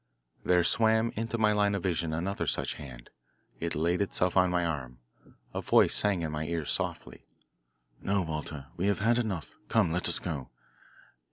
There swam into my line of vision another such hand. It laid itself on my arm. A voice sang in my ear softly: "No, Walter, we have had enough. Come, let us go.